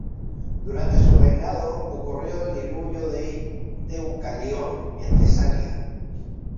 Durante su reinado ocurrió el diluvio de Deucalión en Tesalia.